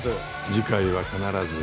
次回は必ず。